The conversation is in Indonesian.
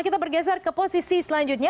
kita bergeser ke posisi selanjutnya